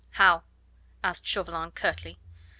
"How?" asked Chauvelin curtly.